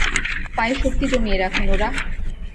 পায়ে শক্তি জমিয়ে রাখ, নোরাহ।